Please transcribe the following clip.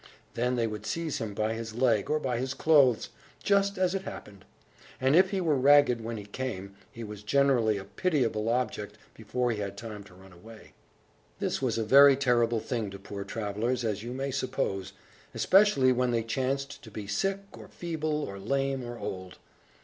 Then they would seize him by his leg, or by his clothes, just as it happened; and if he were ragged when he came, he was generally a pitiable object before he had time to run away. This was a very terrible thing to poor travellers, as you may suppose, especially when they chanced to be sick, or feeble, or lame, or old.